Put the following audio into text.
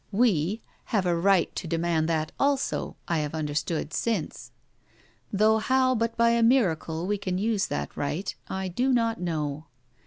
'We' have a right to demand that also, I have understood since; though how but by a miracle we can use that right, I do not know.